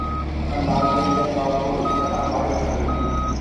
خاندان کے دیگر افراد کو اس طرح باہر رکھا گیا ہے۔